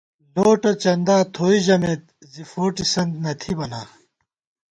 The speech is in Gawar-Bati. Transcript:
لوٹہ چندا تھوئی ژَمېت زی فوٹِسَنت نہ تھِبہ نا